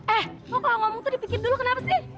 eh kok ngomong tuh dipikir dulu kenapa sih